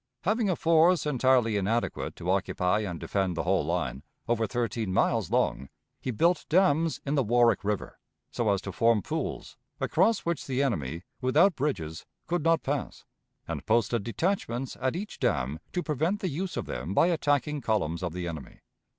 Having a force entirely inadequate to occupy and defend the whole line, over thirteen miles long, he built dams in the Warwick River, so as to form pools, across which the enemy, without bridges, could not pass, and posted detachments at each dam to prevent the use of them by attacking columns of the enemy.